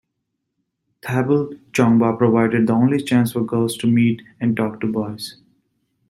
Thabal chongba provided the only chance for girls to meet and talk to boys.